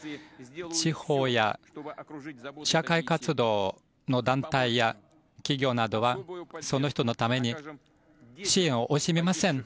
地方や社会活動の団体や企業などは、その人のために支援を惜しみません。